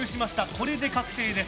これで確定です。